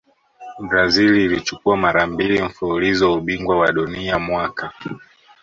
brazil ilichukua mara mbili mfululizo ubingwa wa dunia mwaka